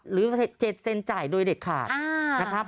หรือ๗เซนจ่ายโดยเด็ดขาดนะครับ